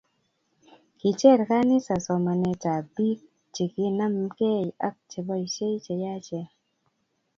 Kicher kanisa somanent ab biik chikinanmke ak cheboisie cheyachen,